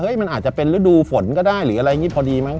มันอาจจะเป็นฤดูฝนก็ได้หรืออะไรอย่างนี้พอดีมั้